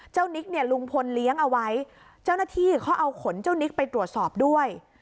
นิกเนี่ยลุงพลเลี้ยงเอาไว้เจ้าหน้าที่เขาเอาขนเจ้านิกไปตรวจสอบด้วย